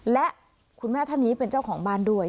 และคุณแม่ท่านนี้เป็นเจ้าของบ้านด้วย